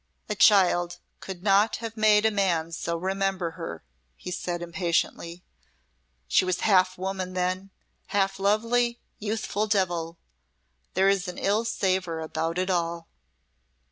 "A child could not have made a man so remember her," he said, impatiently. "She was half woman then half lovely, youthful devil. There is an ill savour about it all."